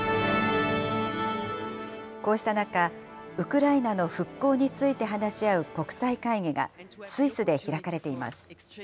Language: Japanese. こうした中、ウクライナの復興について話し合う国際会議が、スイスで開かれています。